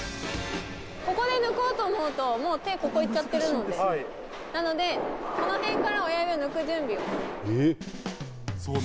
ここで抜こうと思うと、手がここに行っちゃってるんで、この辺から親指を抜く準備をする。